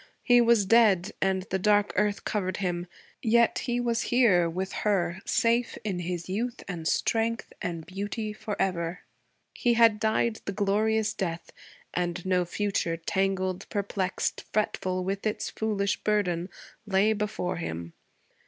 He was dead and the dark earth covered him; yet he was here, with her, safe in his youth and strength and beauty forever. He had died the glorious death, and no future, tangled, perplexed, fretful with its foolish burden, lay before him.